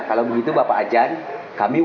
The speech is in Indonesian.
pak tambahin lagi